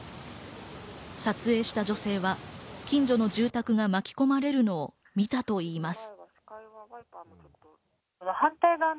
撮影した女性は近所の住宅が巻き込まれるのを見たといいます。